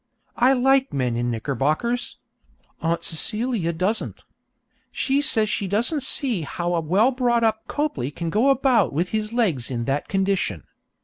I like men in knickerbockers. Aunt Celia doesn't. She says she doesn't see how a well brought up Copley can go about with his legs in that condition.